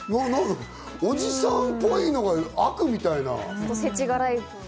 おじさんぽいのが悪みたいな。